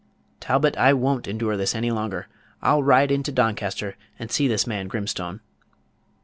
Talbot I won't endure this any longer. I'll ride into Doncaster and see this man Grimstone.